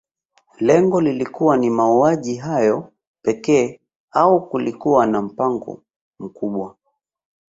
Lengo lilikuwa ni mauaji hayo pekee au kulikuwa na mpango mkubwa